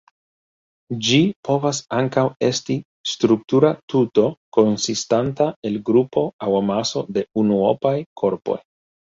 Ĝi povas ankaŭ esti struktura tuto konsistanta el grupo aŭ amaso de unuopaj korpoj.